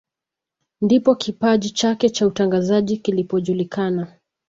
Ndipo kipaji chake cha utangazaji kilipojulikana